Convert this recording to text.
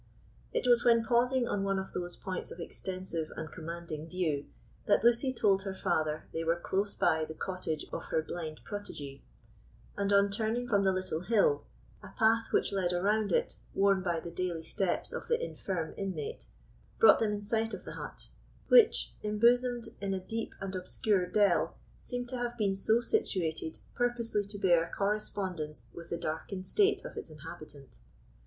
It was when pausing on one of those points of extensive and commanding view that Lucy told her father they were close by the cottage of her blind protégée; and on turning from the little hill, a path which led around it, worn by the daily steps of the infirm inmate, brought them in sight of the hut, which, embosomed in a deep and obscure dell, seemed to have been so situated purposely to bear a correspondence with the darkened state of its inhabitant.